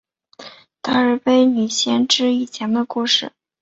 德尔斐女先知以前的故事。